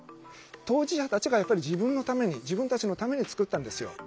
当事者たちがやっぱり自分のために自分たちのために作ったんですよ。